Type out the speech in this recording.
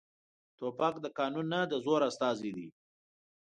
توپک د قانون نه، د زور استازی دی.